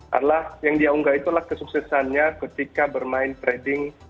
karena yang dia unggah itulah kesuksesannya ketika bermain trading